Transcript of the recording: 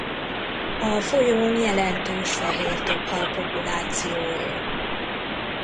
A folyón jelentős fehértokhal-populáció él.